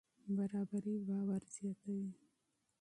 برابري باور زیاتوي.